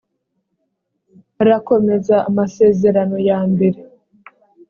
rakomeza amasezerano ya mbere